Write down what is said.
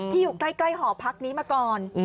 อยู่ใกล้หอพักนี้มาก่อน